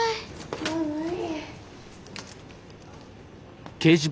もう無理。